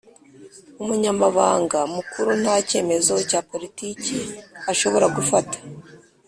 umunyamabanga mukuru nta cyemezo cya politiki ashobora gufata